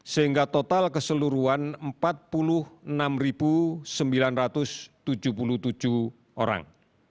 sehingga total keseluruhan empat puluh enam sembilan ratus tujuh puluh tujuh orang